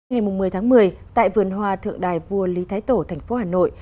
ngày một mươi tháng một mươi tại vườn hoa thượng đài vua lý thái tổ thành phố hà nội